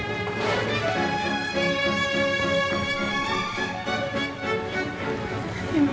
terima kasih ya